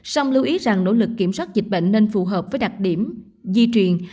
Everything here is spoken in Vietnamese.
song lưu ý rằng nỗ lực kiểm soát dịch bệnh nên phù hợp với đặc điểm di truyền